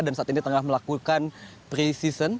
dan saat ini tengah melakukan pre season